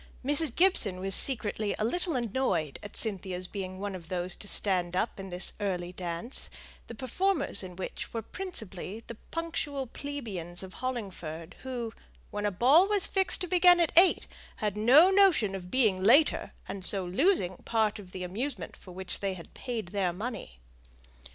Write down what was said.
Mrs. Gibson was secretly a little annoyed at Cynthia's being one of those to stand up in this early dance, the performers in which were principally the punctual plebeians of Hollingford, who, when a ball was fixed to begin at eight, had no notion of being later, and so losing part of the amusement for which they had paid their money.